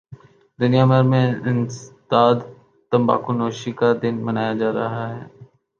دنیا بھر میں انسداد تمباکو نوشی کا دن منایا جارہاہے